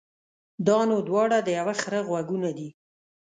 دا نو دواړه د يوه خره غوږونه دي.